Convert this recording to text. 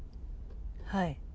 はい。